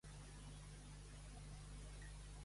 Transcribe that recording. Un fil roig en recorre totes les escenes.